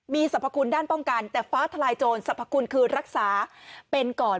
มีสรรพคุณด้านป้องกันแต่ฟ้าทลายโจรสรรพคุณคือรักษาเป็นก่อน